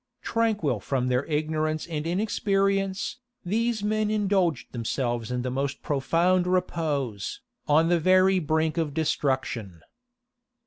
Tranquil from their ignorance and inexperience, these men indulged themselves in the most profound repose, on the very brink of destruction.